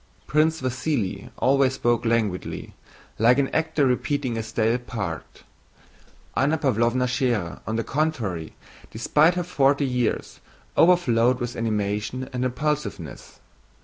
Prince Vasíli always spoke languidly, like an actor repeating a stale part. Anna Pávlovna Schérer on the contrary, despite her forty years, overflowed with animation and impulsiveness.